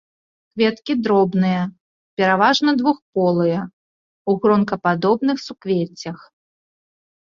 Кветкі дробныя, пераважна двухполыя, у гронкападобных суквеццях.